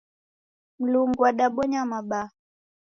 Mlungu wadabonya mabaa.